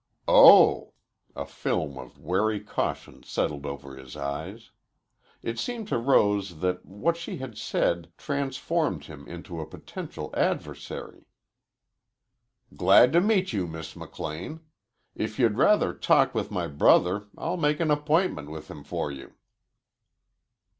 "Oh!" A film of wary caution settled over his eyes. It seemed to Rose that what she had said transformed him into a potential adversary. "Glad to meet you, Miss McLean. If you'd rather talk with my brother I'll make an appointment with him for you."